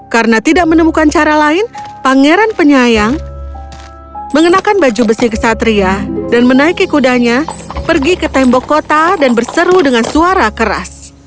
karena tidak menemukan cara lain pangeran penyayang mengenakan baju besi kesatria dan menaiki kudanya pergi ke tembok kota dan berseru dengan suara keras